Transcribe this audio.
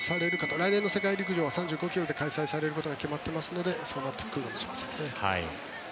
来年の世界陸上は３５ｋｍで開催されることが決まっていますのでそうなってくるかもしれません。